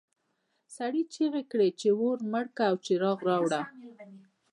سړي چیغې کړې چې اور مړ کړه او څراغ راوړه.